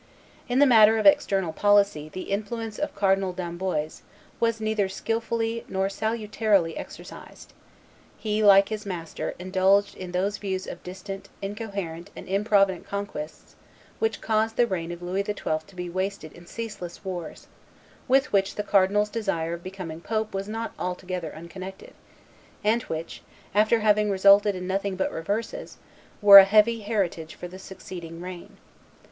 In the matter of external policy the influence of Cardinal d'Amboise, was neither skilfully nor salutarily exercised: he, like his master, indulged in those views of distant, incoherent, and improvident conquests which caused the reign of Louis XII. to be wasted in ceaseless wars, with which the cardinal's desire of becoming pope was not altogether unconnected, and which, after having resulted in nothing but reverses, were a heavy heritage for the succeeding reign.